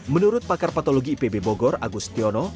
menurut pakar patologi pb bogor agustin